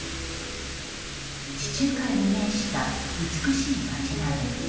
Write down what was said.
地中海に面した美しい街並み。